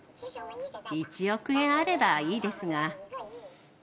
１億円あればいいですが。